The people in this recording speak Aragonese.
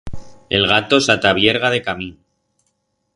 El gato s'atabierga decamín.